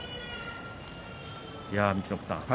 陸奥さん